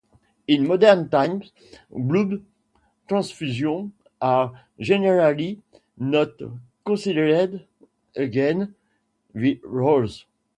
In modern times, blood transfusions are generally not considered against the rules.